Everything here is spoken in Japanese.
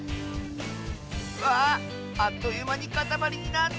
わああっというまにかたまりになった！